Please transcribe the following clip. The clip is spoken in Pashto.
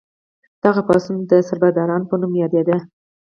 دغه پاڅون د سربدارانو په نوم یادیده.